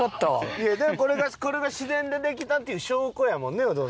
いやでもこれが自然でできたっていう証拠やもんねお父さんね。